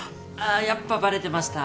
あやっぱバレてました？